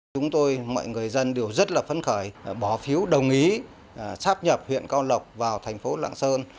chúng tôi mọi người dân đều rất là phấn khởi bỏ phiếu đồng ý sắp nhập huyện cao lộc vào thành phố lạng sơn